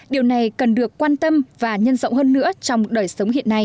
điều này cần được quan tâm và nhân rộng hơn nữa trong đời sống hiện nay